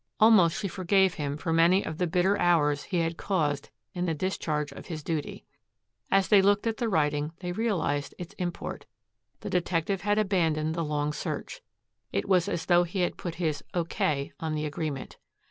Almost she forgave him for many of the bitter hours he had caused in the discharge of his duty. As they looked at the writing they realized its import. The detective had abandoned the long search. It was as though he had put his "O.K." on the agreement.